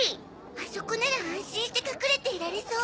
あそこなら安心して隠れていられそう。